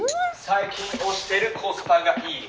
「最近推してるコスパがいい」